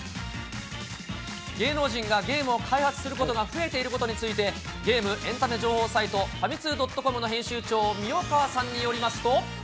芸能人がゲームを開発することが増えていることについて、ゲームエンタメ情報サイト、ファミ通ドットコムの編集長、三代川さんによりますと。